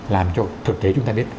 làm cho thực tế chúng ta biết